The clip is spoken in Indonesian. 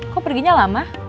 kok perginya lama